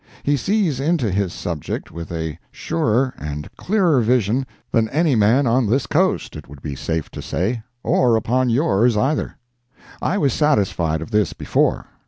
He sees into his subject with a surer and a clearer vision than any man on this coast—it would be safe to say, or upon yours either. I was satisfied of this before.